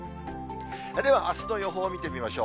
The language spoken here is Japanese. では、あすの予報見てみましょう。